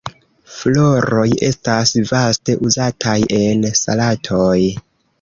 Floroj estas vaste uzataj en salatoj.